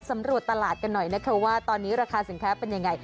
สำรวจตลาดกันหน่อยนะคะว่าตอนนี้ราคาสินค้าเป็นยังไง